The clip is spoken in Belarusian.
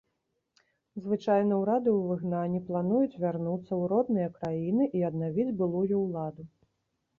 Звычайна ўрады ў выгнанні плануюць вярнуцца ў родныя краіны і аднавіць былую ўладу.